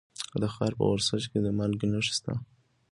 د تخار په ورسج کې د مالګې نښې شته.